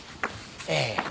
ええ。